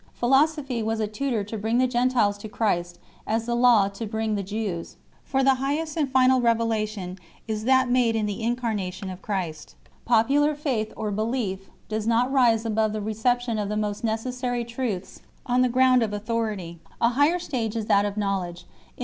Philosophy was a tutor to bring the Gentiles to Christ, as the Law to bring the Jews 5 ; for the Highest and final revelation is that made in the Incarnation of Christ. Popular faith or belief (TTIOTI?) does not rise above the reception of the most necessary truths on the ground of 1 Clem. Hypotyp. in Photius, 4 Clem. Strom, vi.